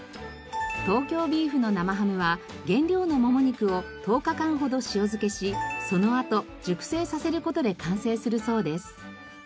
東京ビーフの生ハムは原料のモモ肉を１０日間ほど塩漬けしそのあと熟成させる事で完成するそうです。